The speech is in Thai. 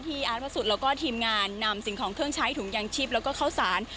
ที่อาร์ตพระสุทธิ์และทีมงานนำสิ่งของเครื่องใช้ถุงอย่างชีพและเข้าสาน